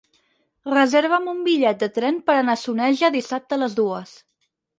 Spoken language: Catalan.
Reserva'm un bitllet de tren per anar a Soneja dissabte a les dues.